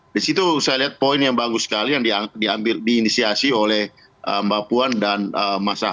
di situ saya lihat poin yang bagus sekali yang diinisiasi oleh bapuan dan mas ahi